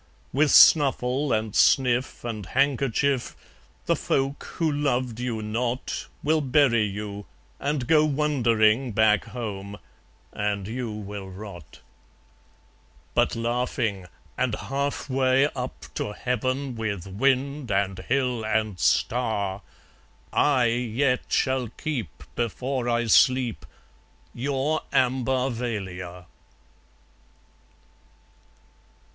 With snuffle and sniff and handkerchief, The folk who loved you not Will bury you, and go wondering Back home. And you will rot. But laughing and half way up to heaven, With wind and hill and star, I yet shall keep, before I sleep, Your Ambarvalia.